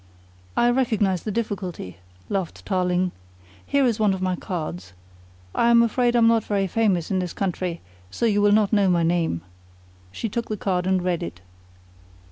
"I recognise the difficulty," laughed Tailing. "Here is one of my cards. I'm afraid I am not very famous in this country, so you will not know my name." She took the card and read it.